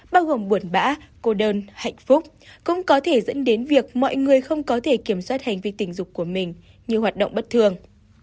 bao gồm buồn bã cô đơn hạnh phúc cũng có thể dẫn đến việc mọi người không có thể kiểm soát hành vi tình dục của mình như hoạt động bất thường